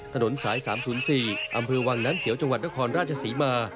ถนนสายสามศูนย์สี่อำเภอวังน้ำเขียวจังหวัดกะครราชสีมา